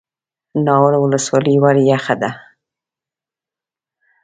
ناور ولسوالۍ ولې یخه ده؟